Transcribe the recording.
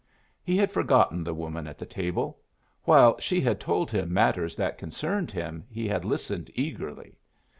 He had forgotten the woman at the table. While she had told him matters that concerned him he had listened eagerly.